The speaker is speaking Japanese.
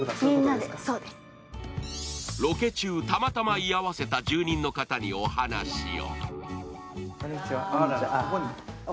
ロケ中、たまたま居合わせた住民の方にお話を。